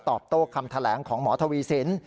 โต้คำแถลงของหมอทวีสิน